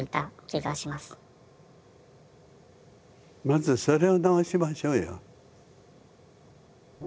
まずそれを直しましょうよ。